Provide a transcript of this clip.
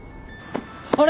あれ！？